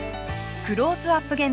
「クローズアップ現代」